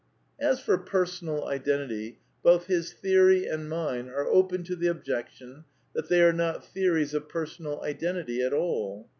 As for Personal Identity, both his theory and mine are open to the objection that they are not theories of per sonal identity at all.